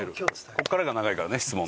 ここからが長いからね質問ね。